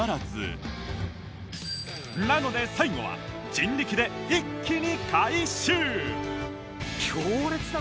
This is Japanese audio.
なので最後は人力で一気に回収！